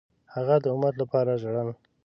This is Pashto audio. هغه د امت لپاره ژړل.